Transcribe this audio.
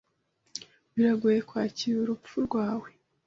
biragoye kwakira urupfu rwawe